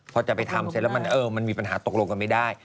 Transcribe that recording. พอจะไปทำเสร็จแล้วมันมีปัญหาตกลงกันไม่ได้